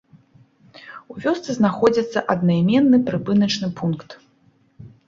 У вёсцы знаходзіцца аднайменны прыпыначны пункт.